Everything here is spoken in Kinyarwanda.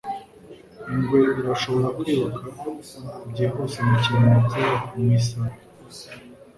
Ingwe irashobora kwiruka byihuse nka kilometero mu isaha